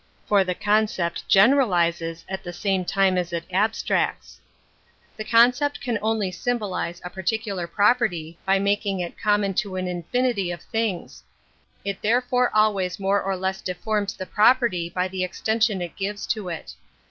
For the concept general izes at the same time as it abstracts. The concept can only symbolize a particular property by making it common to an in finity of things. It thei'cfore always more or less deforms the property by the exten sion it gives to it.